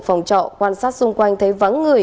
kết quả là chúng ta